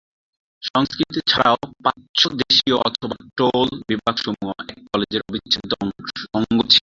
সংস্কৃত ছাড়াও প্রাচ্যদেশীয় অথবা টোল বিভাগসমূহ এই কলেজের অবিচ্ছেদ্য অঙ্গ ছিল।